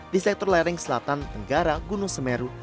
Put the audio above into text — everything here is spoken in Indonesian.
di sektor lereng selatan tenggara gunung semeru